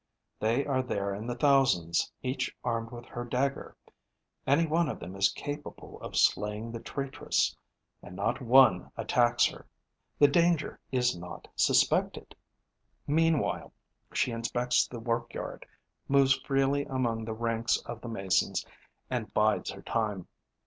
They are there in their thousands, each armed with her dagger; any one of them is capable of slaying the traitress; and not one attacks her. The danger is not suspected. Meanwhile, she inspects the workyard, moves freely among the ranks of the Masons and bides her time.